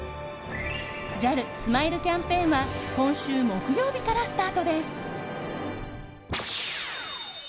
ＪＡＬスマイルキャンペーンは今週木曜日からスタートです。